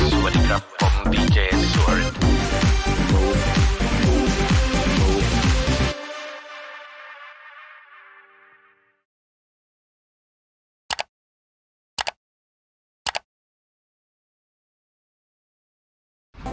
สวัสดีครับผมบีเจสสวรรค์